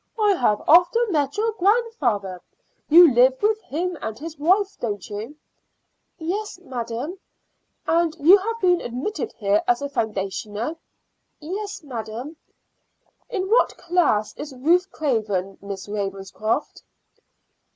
"I have often met your grandfather. You live with him and his wife, don't you?" "Yes, madam." "And you have been admitted here as a foundationer?" "Yes, madam." "In what class is Ruth Craven, Miss Ravenscroft?"